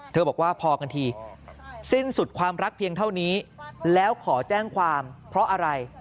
บอกว่าพอกันทีสิ้นสุดความรักเพียงเท่านี้แล้วขอแจ้งความเพราะอะไร